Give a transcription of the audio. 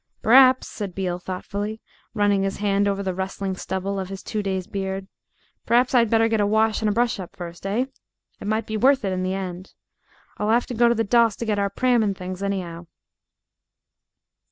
"P'raps," said Beale thoughtfully, running his hand over the rustling stubble of his two days' beard "p'raps I'd best get a wash and brush up first, eh? It might be worth it in the end. I'll 'ave to go to the doss to get our pram and things, any'ow."